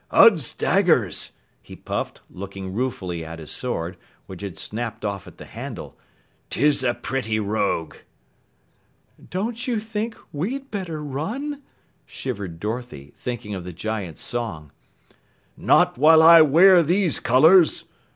"Uds daggers!" he puffed, looking ruefully at his sword, which had snapped off at the handle, "'Tis a pretty rogue!" "Don't you think we'd better run?" shiver Dorothy, thinking of the giant's song. "Not while I wear these colors!"